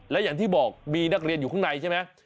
และอย่างที่บอกมีนักเรียนอยู่ข้างในใช่ไหม